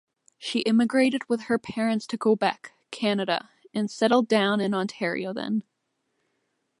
She immigrated with her parents to Quebec, Canada and settled down in Ontario then.